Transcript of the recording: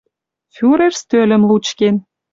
Фюрер стӧлӹм лучкен